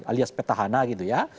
alias petahana gitu ya